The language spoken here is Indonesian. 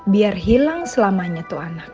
biar hilang selamanya tuh anak